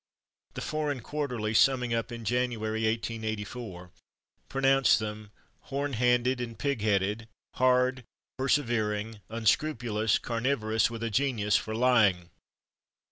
The /Foreign Quarterly/, summing up in January, 1844, pronounced them "horn handed and pig headed, hard, persevering, unscrupulous, carnivorous, with a genius for lying."